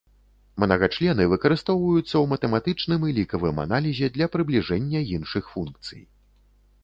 Мнагачлены выкарыстоўваюцца ў матэматычным і лікавым аналізе для прыбліжэння іншых функцый.